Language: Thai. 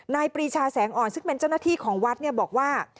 ปรีชาแสงอ่อนซึ่งเป็นเจ้าหน้าที่ของวัดบอกว่า